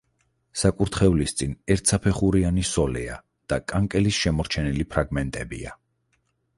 საკურთხევლის წინ ერთსაფეხურიანი სოლეა და კანკელის შემორჩენილი ფრაგმენტებია.